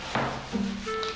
iya betul pak